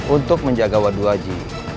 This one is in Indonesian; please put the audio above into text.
untuk menjaga wadu waji